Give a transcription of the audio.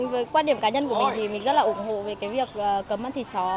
với quan điểm cá nhân của mình thì mình rất là ủng hộ về cái việc cấm ăn thịt chó